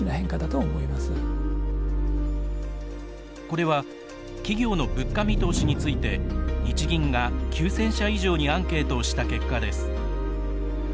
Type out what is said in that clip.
これは企業の物価見通しについて日銀が９，０００社以上にアンケートをした結果です。